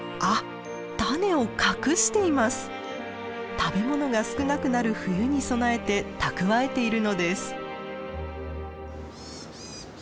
食べ物が少なくなる冬に備えて蓄えているのです。